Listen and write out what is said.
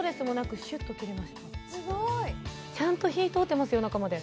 すごい！ちゃんと火通ってますよ中まで。